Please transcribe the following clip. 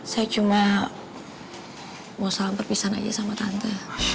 saya cuma mau salam perpisahan aja sama tante